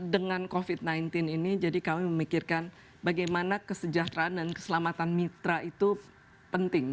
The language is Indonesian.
dengan covid sembilan belas ini jadi kami memikirkan bagaimana kesejahteraan dan keselamatan mitra itu penting